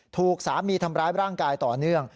ถูกสามีทำร้ายร่างกายต่อเนื่อง